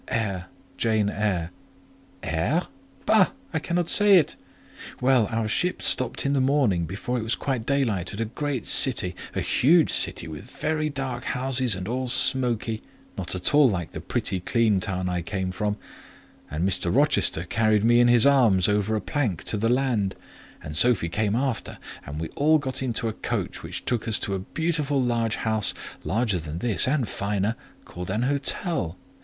"Eyre—Jane Eyre." "Aire? Bah! I cannot say it. Well, our ship stopped in the morning, before it was quite daylight, at a great city—a huge city, with very dark houses and all smoky; not at all like the pretty clean town I came from; and Mr. Rochester carried me in his arms over a plank to the land, and Sophie came after, and we all got into a coach, which took us to a beautiful large house, larger than this and finer, called an hotel.